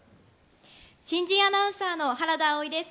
新人アナウンサーの原田葵です。